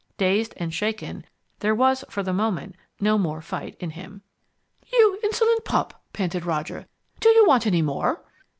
Dazed and shaken, there was, for the moment, no more fight in him. "You insolent pup," panted Roger, "do you want any more?"